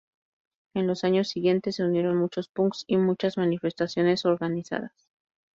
En los años siguientes se unieron muchos punks y muchas manifestaciones organizadas.